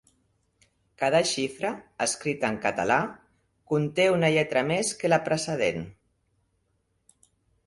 Cada xifra, escrita en català, conté una lletra més que la precedent.